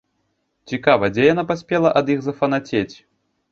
Цікава, дзе яна паспела ад іх зафанацець?